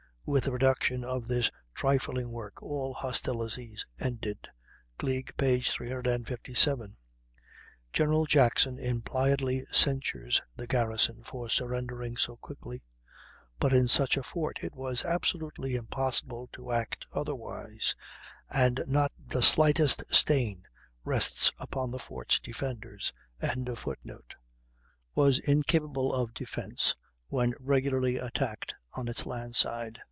With the reduction of this trifling work all hostilities ended." (Gleig, 357.) General Jackson impliedly censures the garrison for surrendering so quickly; but in such a fort it was absolutely impossible to act otherwise, and not the slightest stain rests upon the fort's defenders.] was incapable of defence when regularly attacked on its land side.